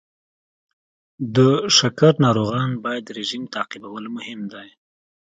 د شکر ناروغان باید رژیم تعقیبول مهم دی.